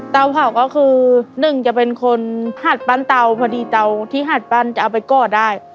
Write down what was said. เตาเผาก็คือหนึ่งจะเป็นคนหัดปั้นเตาพอดีเตาที่หัดปั้นจะเอาไปก่อได้